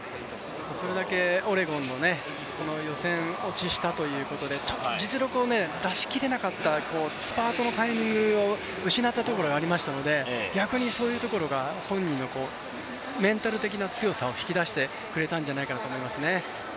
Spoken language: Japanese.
それだけオレゴンの予選落ちしたということで実力を出しきれなかったスパートのタイミングを失ったところがありましたので、逆にそういうところが本人のメンタル的な強さを引き出してくれたんじゃないかと思いますね。